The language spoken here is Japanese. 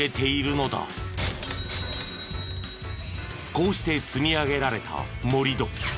こうして積み上げられた盛り土。